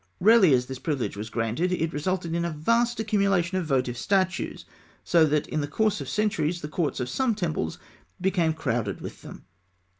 Rarely as this privilege was granted, it resulted in a vast accumulation of votive statues, so that in the course of centuries the courts of some temples became crowded with them.